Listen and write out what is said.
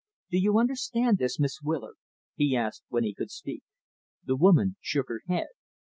"Do you understand this, Miss Willard?" he asked, when he could speak. The woman shook her head.